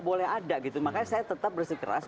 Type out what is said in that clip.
boleh ada makanya saya tetap bersekeras